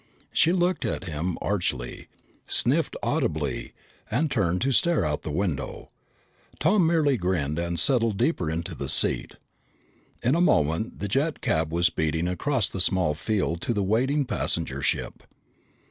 She looked at him archly, sniffed audibly, and turned to stare out the window. Tom merely grinned and settled deeper in the seat. In a moment the jet cab was speeding across the small field to the waiting passenger ship.